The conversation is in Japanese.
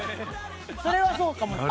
それはそうかも。